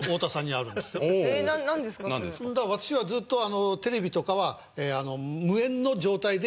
だから私はずっとテレビとかは無縁の状態で活動してきた。